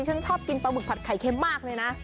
ฉันชอบกินปลาหมึกผัดไข่เค็มมากเลยนะ